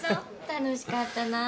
楽しかったなぁ。